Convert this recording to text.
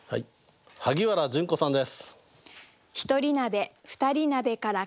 萩原純子さんです。